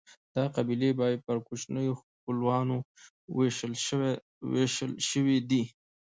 دا قبیلې بیا پر کوچنیو خېلونو وېشل شوې دي.